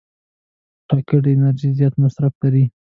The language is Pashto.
راکټ د انرژۍ زیات مصرف لري